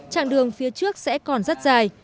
trạng đường phía trước sẽ còn rất dài